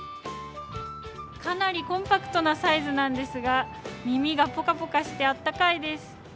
かなりコンパクトなサイズなんですが、耳がポカポカしてあったかいです。